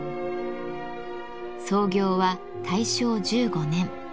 創業は大正１５年。